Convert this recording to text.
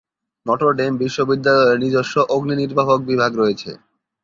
Notre Dame বিশ্ববিদ্যালয়ের নিজস্ব অগ্নিনির্বাপক বিভাগ রয়েছে।